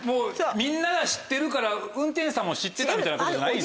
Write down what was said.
みんなが知ってるから運転手さんも知ってたみたいなことじゃないんですね？